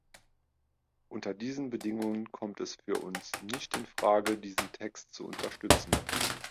Unter diesen Bedingungen kommt es für uns nicht in Frage, diesen Text zu unterstützen.